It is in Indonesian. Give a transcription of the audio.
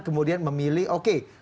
kemudian memilih oke